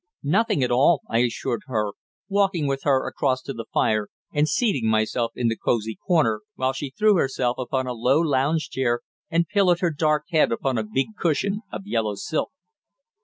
"Nothing at all," I assured her, walking with her across to the fire and seating myself in the cosy corner, while she threw herself upon a low lounge chair and pillowed her dark head upon a big cushion of yellow silk.